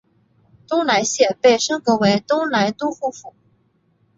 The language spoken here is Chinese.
东莱县被升格为东莱都护府。